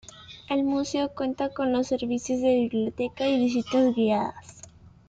El museo cuenta con los servicios de Biblioteca y Visitas guiadas.